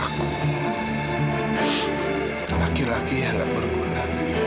laki laki yang gak berguna